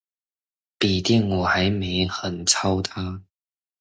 筆電我還沒很操它